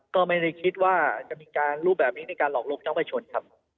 ก็ไม่ได้คิดว่าจะมีการรูปแบบนี้ในการหลอกลวงเจ้าประชนครับ